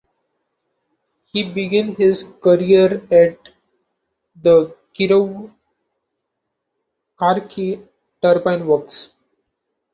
He began his career at the Kirov Kharkiv Turbine Works.